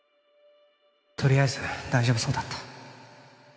とりあえず大丈夫そうだった